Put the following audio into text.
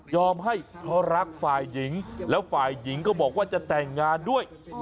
ให้เขารักฝ่ายหญิงแล้วฝ่ายหญิงก็บอกว่าจะแต่งงานด้วย